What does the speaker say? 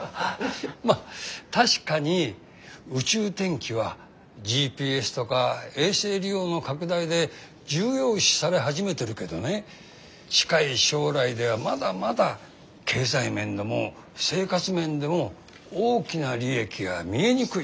まあ確かに宇宙天気はＧＰＳとか衛星利用の拡大で重要視され始めてるけどね近い将来ではまだまだ経済面でも生活面でも大きな利益が見えにくい。